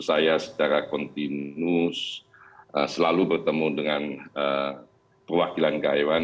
saya secara kontinus selalu bertemu dengan perwakilan kaiwan